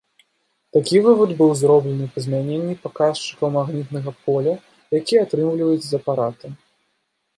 Такі вывад быў зроблены па змяненні паказчыкаў магнітнага поля, якія атрымліваюць з апарата.